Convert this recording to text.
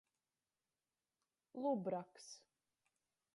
Lubraks.